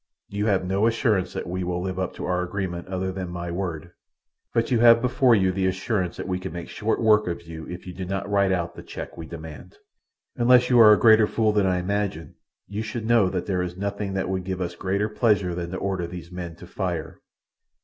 "You have no assurance that we will live up to our agreement other than my word, but you have before you the assurance that we can make short work of you if you do not write out the cheque we demand. "Unless you are a greater fool than I imagine, you should know that there is nothing that would give us greater pleasure than to order these men to fire.